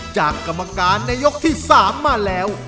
กรรมการในยกที่๓มาแล้ว